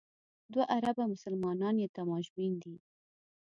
دوه اربه مسلمانان یې تماشبین دي.